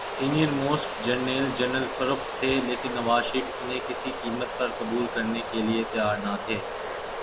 Senior most جرنیل general Farrukh تھے‘ لیکن نواز شریف انہیں کسی قیمت پر قبول کرنے کیلئے تیار نہ تھے۔